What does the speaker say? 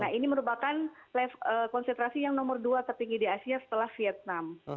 nah ini merupakan konsentrasi yang nomor dua tertinggi di asia setelah vietnam